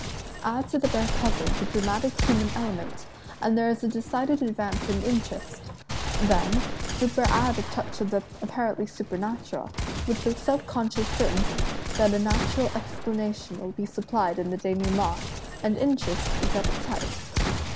Add to the bare puzzle the dramatic human element, and there is a decided advance in interest; then superadd a touch of the apparently supernatural, with the subconscious certainty that a natural explanation will be supplied in the denoue ment, and interest is at its height.